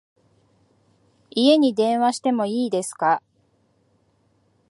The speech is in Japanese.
家に電話しても良いですか？